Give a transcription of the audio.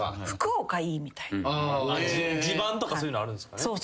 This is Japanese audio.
地盤とかそういうのあるんすかね。